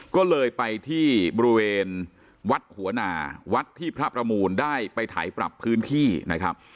ก็เลยไปที่บริเวณวัดหัวหนาวัดที่พระประมูลได้ไปไถปรับพื้นที่นะครับ